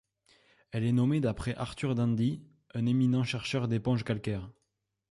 Elle est nommée d'après Arthur Dendy, un éminent chercheur d'éponges calcaires.